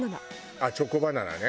あっチョコバナナね。